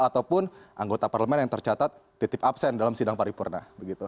ataupun anggota parlemen yang tercatat titip absen dalam sidang paripurna